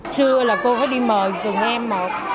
xưa là cô có đi mời từng em một